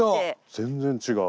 全然違う。